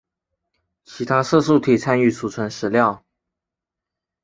其他色素体参与储存食料。